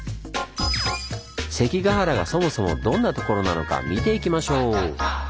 関ケ原がそもそもどんな所なのか見ていきましょう！